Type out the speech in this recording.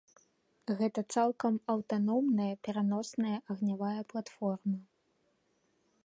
Гэта цалкам аўтаномная пераносная агнявая платформа.